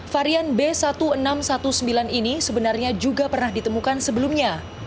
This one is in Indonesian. varian b seribu enam ratus sembilan belas ini sebenarnya juga pernah ditemukan sebelumnya